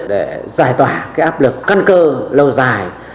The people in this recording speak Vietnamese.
để giải tỏa áp lực căn cơ lâu dài